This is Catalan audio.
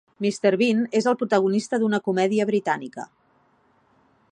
Mr. Bean és el protagonista d'una comèdia britànica.